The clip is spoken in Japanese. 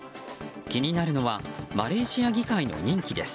気になるのはマレーシア議会の任期です。